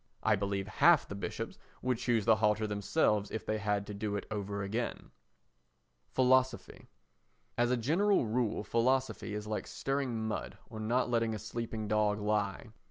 I believe half the bishops would choose the halter themselves if they had to do it over again. Philosophy As a general rule philosophy is like stirring mud or not letting a sleeping dog lie.